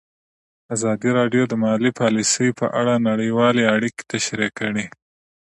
ازادي راډیو د مالي پالیسي په اړه نړیوالې اړیکې تشریح کړي.